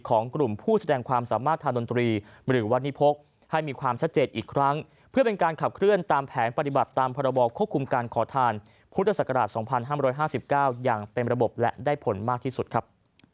ของกลุ่มผู้แสดงความสามารถทางดนตรีหรือวัดนิพกให้มีความชัดเจนอีกครั้งเพื่อเป็นการขับเคลื่อนตามแผนปฏิบัติตามพรบควบคุมการขอทานพุทธศักราช๒๕๕๙อย่างเป็นระบบและได้ผลมากที่สุดครับ